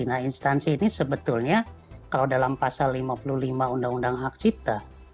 nah instansi ini sebetulnya kalau dalam pasal lima puluh lima undang undang hak cipta